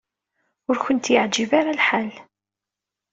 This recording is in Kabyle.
Ur kent-yeɛjib ara lḥal.